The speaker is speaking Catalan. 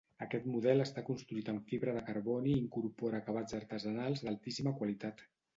Aquest model està construït en fibra de carboni i incorpora acabats artesanals d'altíssima qualitat.